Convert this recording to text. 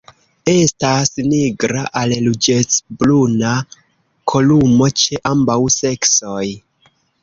Estas nigra al ruĝecbruna kolumo ĉe ambaŭ seksoj.